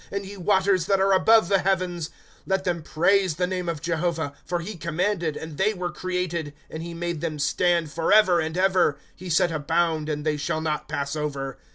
And ye waters that are above the heavens. ^ Let them praise the name of Jehovah ; For he commanded, and they were created ;^ And he made them stand forever and ever ; He set a bound, and they shall not pass over.